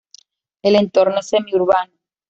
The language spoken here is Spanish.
El entorno es semi urbano.